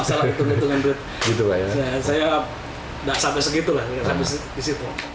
saya tuh ditungguin saya nggak sampai segitu lah